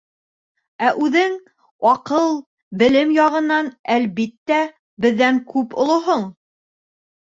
Ә үҙең аҡыл, белем яғынан, әлбиттә, беҙҙән күп олоһоң.